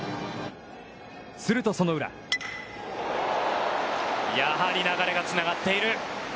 すると、その裏やはり流れがつながっている。